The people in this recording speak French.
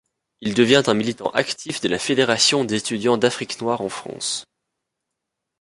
Il devient un militant actif de la Fédération des étudiants d'Afrique noire en France.